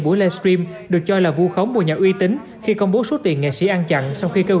buổi livestream được cho là vu khống mùa nhà uy tín khi công bố số tiền nghệ sĩ ăn chặn sau khi kêu